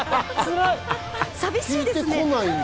さびしいですね。